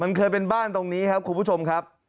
มันเคยเป็นบ้านตรงนี้ครับคุณผู้ชมครับ